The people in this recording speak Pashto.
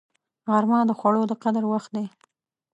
غرمه د خوړو د قدر وخت دی